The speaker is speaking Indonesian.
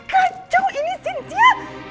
kacau ini sintia